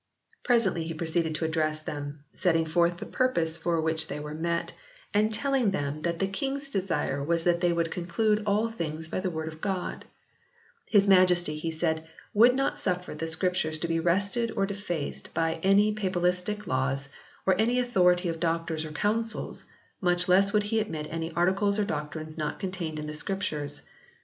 Presently he proceeded to address them, set ting forth the purpose for which they were met, and telling them that the King s desire was that 58 HISTORY OF THE ENGLISH BIBLE [CH. they would conclude all things by the Word of God. His Majesty, he said, would not suffer the Scriptures to be wrested or defaced by any papistical laws, or any authority of doctors or councils, much less would he admit any articles or doctrines not contained in the Scriptures.